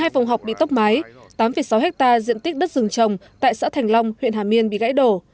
một mươi hai phòng học bị tốc mái tám sáu ha diện tích đất rừng trồng tại xã thành long huyện hà miên bị gãy đổ